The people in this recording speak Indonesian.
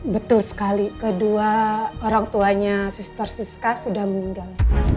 betul sekali kedua orang tuanya suster siska sudah meninggal